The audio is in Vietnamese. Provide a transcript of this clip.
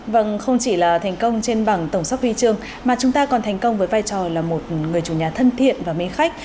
vâng không chỉ là thành công trên bảng tổng sắp huy chương mà chúng ta còn thành công với vai trò là một người chủ nhà thân thiện và mê khách